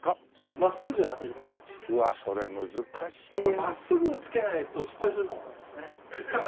真っすぐ突けないと失敗するかもわからないですね。